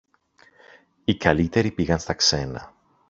οι καλύτεροι πήγαν στα ξένα